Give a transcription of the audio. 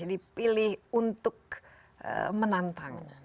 jadi pilih untuk menantang